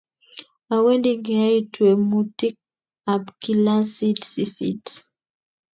Awendi kiyai twemutik ab kilasit sisit